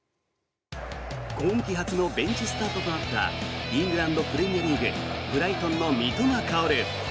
今季初のベンチスタートとなったイングランド・プレミアリーグブライトンの三笘薫。